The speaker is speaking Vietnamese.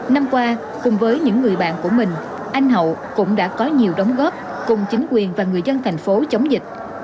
năm qua cùng với những người bạn của mình anh hậu cũng đã có nhiều đóng góp cùng chính quyền và người dân thành phố chống dịch